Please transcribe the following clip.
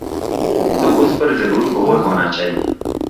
تو اس پر ضرور غور ہو نا چاہیے۔